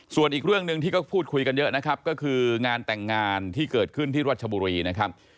ส่วนอีกเรื่องหนึ่งที่ก็พูดคุยกันเยอะนะครับก็คืองานแต่งงานที่เกิดขึ้นที่รัชบุรีนะครับ